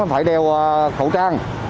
phải đeo khẩu trang